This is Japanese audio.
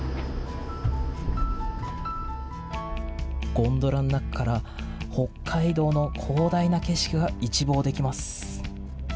ゴンドラの中から北海道の広大な景色が一望できます。